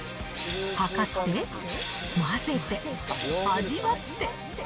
計って、混ぜて、味わって。